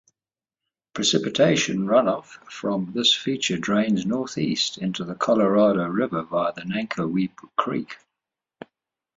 Precipitation runoff from this feature drains northeast into the Colorado River via Nankoweap Creek.